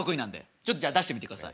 ちょっとじゃあ出してみてください。